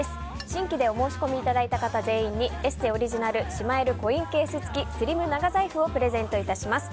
新規でお申し込みいただいた方全員に「ＥＳＳＥ」オリジナルしまえるコインケース付きスリム長財布をプレゼントいたします。